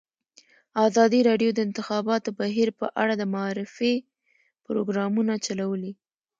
ازادي راډیو د د انتخاباتو بهیر په اړه د معارفې پروګرامونه چلولي.